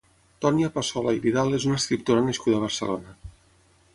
Tònia Passola i Vidal és una escriptora nascuda a Barcelona.